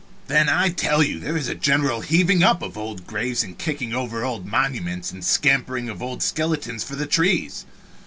Then I tell you there is a general heaving up of old graves and kicking over of old monuments, and scampering of old skeletons for the trees!